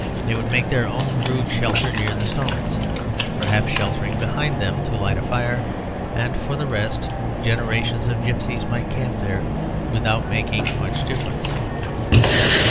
They would make their own rude shelter near the stones, perhaps sheltering behind them to light a fire; and for the rest, generations of gipsies might camp there without making much difference.